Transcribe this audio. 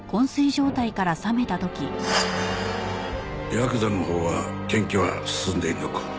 ヤクザのほうは検挙は進んでいるのか？